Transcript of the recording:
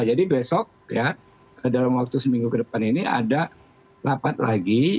jadi besok ya dalam waktu seminggu ke depan ini ada lapat lagi